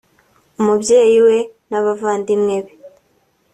umubyeyi we n’abavandimwe be